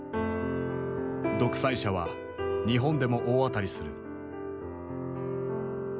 「独裁者」は日本でも大当たりする。